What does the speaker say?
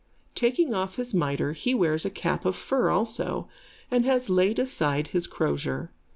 Taking off his mitre, he wears a cap of fur also, and has laid aside his crozier.